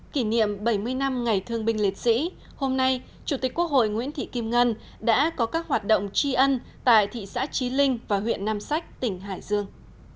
kỷ niệm bảy mươi năm ngày thương binh liệt sĩ hôm nay chủ tịch quốc hội nguyễn thị kim ngân đã có các hoạt động tri ân tại thị xã trí linh và huyện nam sách tỉnh hải dương